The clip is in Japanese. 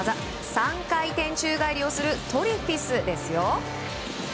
３回転宙返りをするトリフィスですよ。